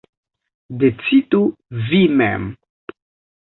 Decidu vi mem.